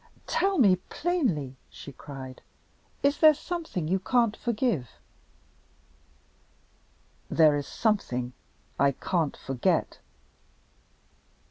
"Tell me plainly," she cried, "is there something you can't forgive?" "There is something I can't forget."